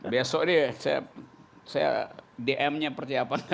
besok deh saya dm nya percaya apa gak percaya